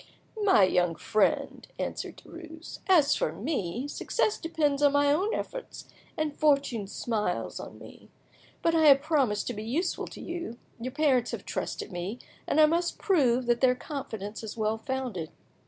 "My young friend," answered Derues, "as for me, success depends on my own efforts, and fortune smiles on me. But I have promised to be useful to you, your parents have trusted me, and I must prove that their confidence is well founded.